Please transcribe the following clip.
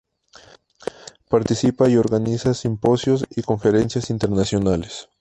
Participa y organiza simposios y conferencias internacionales.